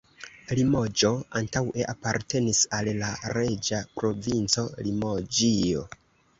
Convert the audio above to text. Limoĝo antaŭe apartenis al la reĝa provinco Limoĝio.